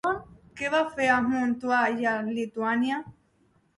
Què va fer a Montreux i a Lituània?